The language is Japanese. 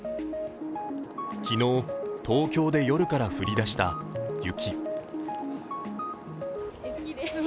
昨日、東京で夜から降り出した雪。